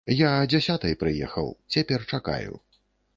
Я а дзясятай прыехаў, цяпер чакаю.